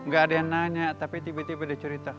gak ada yang nanya tapi tiba tiba dia cerita